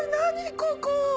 ここ。